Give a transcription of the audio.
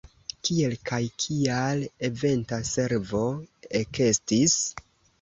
Kiel kaj kial Eventa Servo ekestis?